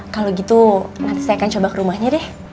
kalau gitu nanti saya akan coba ke rumahnya deh